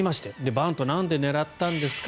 バント、なんで狙ったんですか。